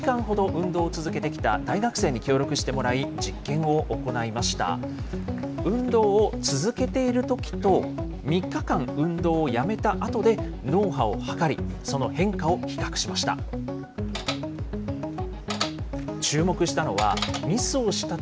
運動を続けているときと、３日間、運動をやめたあとで脳波を測り、その変化を比較しました。